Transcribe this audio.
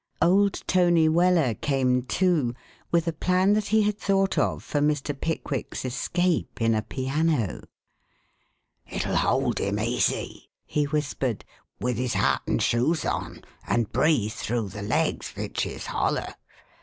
Old Tony Weller came, too, with a plan that he had thought of for Mr. Pickwick's escape in a piano. "It'll hold him easy," he whispered, "with his hat and shoes on, and breathe through the legs, vich is holler.